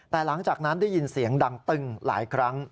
แต่หลังจากนั้นได้ยินเสียงดังตึงหลายครั้ง